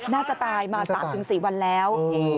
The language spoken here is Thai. น่าจะตายมา๓๔วันแล้ว